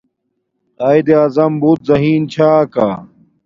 قایداعظم بوت زہین چھا کا